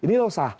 ini loh sah